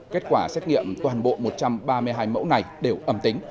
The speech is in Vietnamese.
kết quả xét nghiệm toàn bộ một trăm ba mươi hai mẫu này đều âm tính